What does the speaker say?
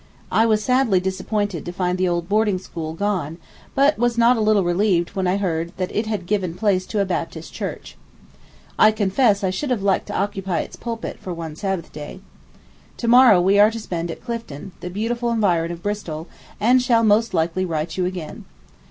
I was sadly disappointed to find the old boarding school gone, but was not a little relieved when I heard that it had given place to a Baptist church. I confess I should have liked to occupy its pulpit for one Sabbath day. To morrow we are to spend at Clifton, the beautiful environ of Bristol, and shall most likely write you again.